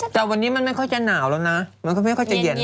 แต่วันนี้มันไม่ค่อยจะหนาวแล้วนะมันก็ไม่ค่อยจะเย็น